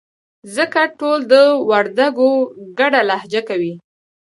ځکه ټول د وردگو گډه لهجه کوي.